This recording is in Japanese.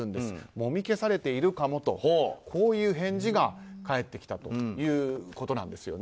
もみ消されているかもとこういう返事が返ってきたということなんです。